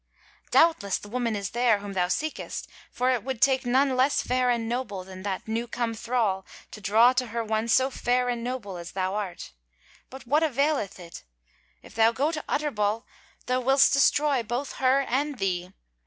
Doubtless the woman is there, whom thou seekest; for it would take none less fair and noble than that new come thrall to draw to her one so fair and noble as thou art. But what availeth it? If thou go to Utterbol thou wilt destroy both her and thee.